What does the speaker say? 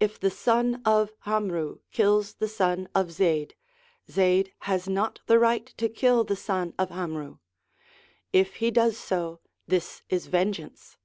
If the son of 'Amru kills the son of Zaid, Zaid has not the right to kill the son of 'Amru ; if he does so, this is vengeance.